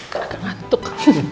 nggak akan ngantuk